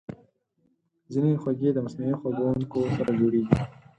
ځینې خوږې د مصنوعي خوږونکو سره جوړېږي.